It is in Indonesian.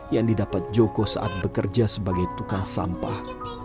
yang didapat joko saat bekerja sebagai tukang sampah